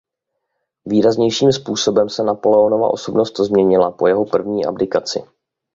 Výraznějším způsobem se Napoleonova osobnost změnila po jeho první abdikaci.